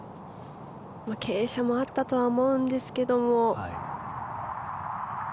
傾斜もあったとは思うんですけども。